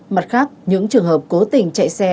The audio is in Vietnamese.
mặt khác những trường hợp cố tình chạy xe